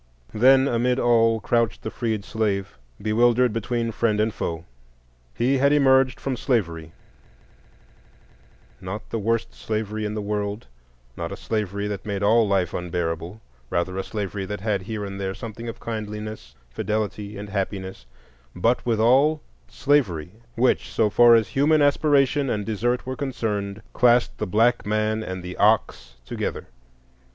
Then amid all crouched the freed slave, bewildered between friend and foe. He had emerged from slavery,—not the worst slavery in the world, not a slavery that made all life unbearable, rather a slavery that had here and there something of kindliness, fidelity, and happiness,—but withal slavery, which, so far as human aspiration and desert were concerned, classed the black man and the ox together.